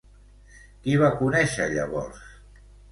Qui va conèixer llavors?